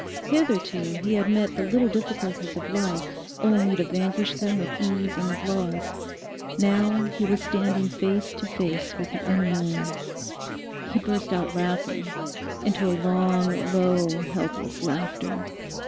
Hitherto he had met the little difficulties of life only to vanquish them with ease and applause. Now he was standing face to face with the unknown. He burst out laughing, into a long, low, helpless laughter.